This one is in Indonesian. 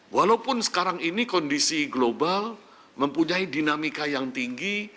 walaupun sekarang ini kondisi global mempunyai dinamika yang tinggi